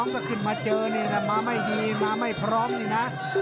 ก็ขึ้นมาเจอนี่ถ้ามาไม่ดีมาไม่พร้อมนี่นะ